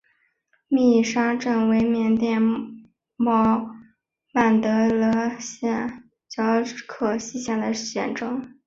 密沙镇为缅甸曼德勒省皎克西县的镇区。